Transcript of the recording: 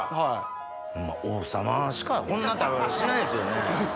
ホンマ王様しかこんな食べ方しないですよね。